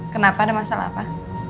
kenapa ada masalah pa